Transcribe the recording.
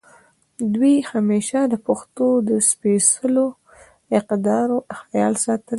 دوي همېشه د پښتو د سپېځلو اقدارو خيال ساتلے